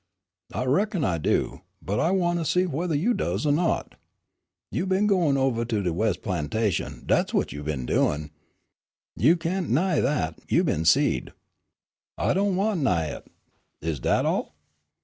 "I reckon I do, but I wan' see whethah you does er not." "You been gwine ovah to de wes' plantation, dat's whut you been doin'. You can' 'ny dat, you's been seed!" "I do' wan' 'ny it. Is dat all?"